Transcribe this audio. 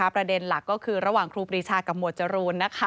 ประเด็นหลักก็คือระหว่างครูปรีชากับหมวดจรูน